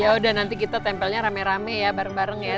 ya udah nanti kita tempelnya rame rame ya bareng bareng ya